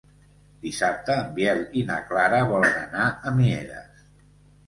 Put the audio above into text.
Dissabte en Biel i na Clara volen anar a Mieres.